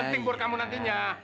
ini penting buat kamu nantinya